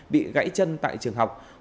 bị gãy chân tại trường hành hoài